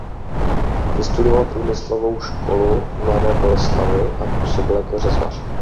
Vystudoval průmyslovou školu v Mladé Boleslavi a působil jako řezbář.